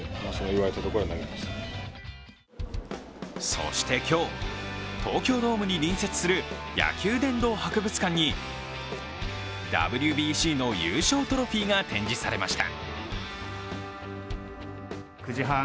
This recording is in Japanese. そして今日、東京ドームに隣接する野球殿堂博物館にＷＢＣの優勝トロフィーが展示されました。